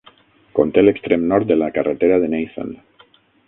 Conté l'extrem nord de la carretera de Nathan.